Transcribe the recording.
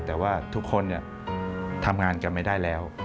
แต่ว่าทุกคนทำงานกันไม่ได้แล้ว